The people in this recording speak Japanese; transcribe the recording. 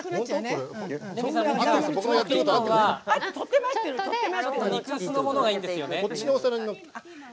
ピーマンは、ちょっと肉厚のものがいいんですよね。